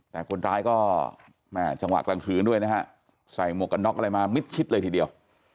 แต่คนร้ายก็แม่จังหวะกลางคืนด้วยนะฮะใส่หมวกกันน็อกอะไรมามิดชิดเลยทีเดียว